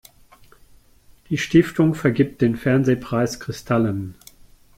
Die Stiftung vergibt den Fernsehpreis Kristallen.